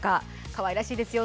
かわいらしいですよ。